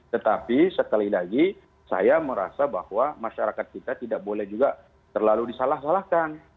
tetapi sekali lagi saya merasa bahwa masyarakat kita tidak boleh juga terlalu disalah salahkan